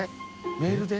メールで？